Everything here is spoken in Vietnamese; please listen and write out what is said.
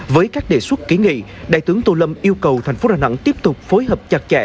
với các đề xuất ký nghị đại tướng tô lâm yêu cầu thành phố đà nẵng tiếp tục phối hợp chặt chẽ